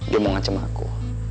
dia mau ngacem aku